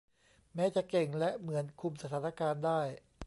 แม้จะเก่งและเหมือนคุมสถานการณ์ได้